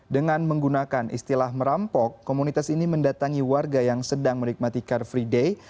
dengan menggunakan istilah merampok komunitas ini mendatangi warga yang sedang menikmati car free day